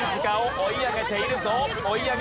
追い上げているぞ！